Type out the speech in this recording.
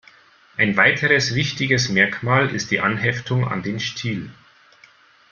Ein weiteres wichtiges Merkmal ist die Anheftung an den Stiel.